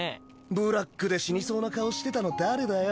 ブラックで死にそうな顔してたの誰だよ？